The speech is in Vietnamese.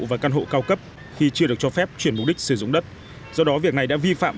và căn hộ cao cấp khi chưa được cho phép chuyển mục đích sử dụng đất do đó việc này đã vi phạm